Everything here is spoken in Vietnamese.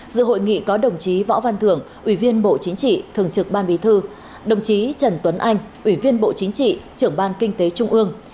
dự hội nghị có đồng chí võ văn thưởng ủy viên bộ chính trị thường trực ban bí thư đồng chí trần tuấn anh ủy viên bộ chính trị trưởng ban kinh tế trung ương